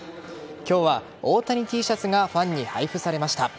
今日は大谷Ｔシャツがファンに配布されました。